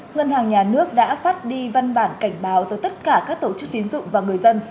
ngân hàng nhà nước đã phát đi văn bản cảnh báo tới tất cả các tổ chức tiến dụng và người dân